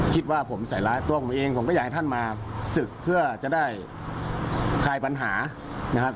คิดว่าผมใส่ร้ายตัวผมเองผมก็อยากให้ท่านมาศึกเพื่อจะได้คลายปัญหานะครับ